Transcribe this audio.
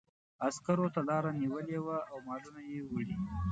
عسکرو ته لاره نیولې وه او مالونه یې وړي.